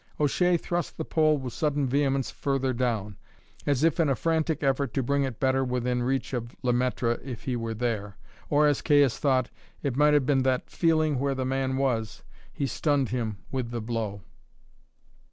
O'Shea thrust the pole with sudden vehemence further down, as if in a frantic effort to bring it better within reach of Le Maître if he were there; or, as Caius thought, it might have been that, feeling where the man was, he stunned him with the blow.